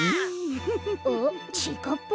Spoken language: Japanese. あっちぃかっぱ？